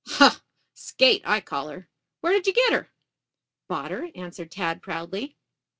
"Huh! Skate, I call her. Where did you get her?" "Bought her," answered Tad proudly.